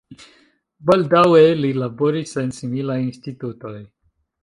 Baldaŭe li laboris en similaj institutoj.